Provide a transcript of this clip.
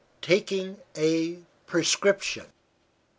TAKING A PRESCRIPTION.